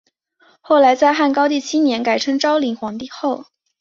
后来在汉高帝七年改称昭灵皇后。